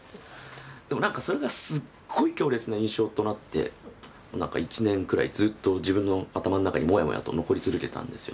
でもなんかそれがすっごい強烈な印象となってなんか１年くらいずっと自分の頭の中にもやもやと残り続けたんですよ。